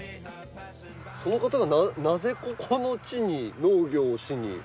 その方がなぜここの地に農業をしに？